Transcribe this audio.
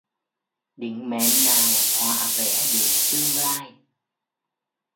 Định mệnh nào hoạ vẽ được tương lai